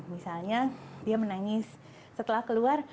misalnya dia menangis setelah keluar